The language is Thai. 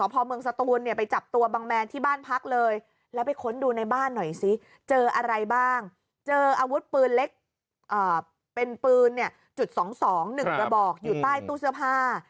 เป็นปืนจุดสองสอง๑กระบอกอยู่ใต้ตู้เสื้อผ้า